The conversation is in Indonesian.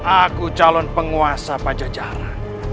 aku calon penguasa pajajaran